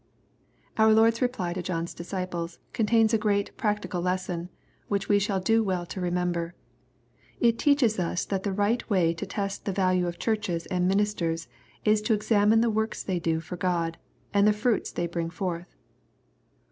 '' Our Lord's reply to John's disciples, contains a great practical lesson, which we shall do well to remember. It teaches us that the right way to test the value of Churches and ministers, is to examine the works they do for God, and the fruits they bring forth.